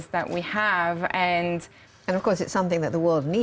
tapi karena ini adalah pendapat yang serius yang kami miliki